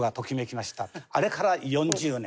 あれから４０年。